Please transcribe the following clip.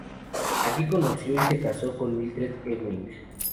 Allí conoció y se casó con Mildred Ewing.